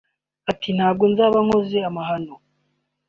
Ati “ Ntabwo nzaba nkoze amahano